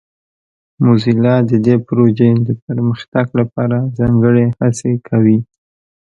موزیلا د دې پروژې د پرمختګ لپاره ځانګړې هڅې کوي.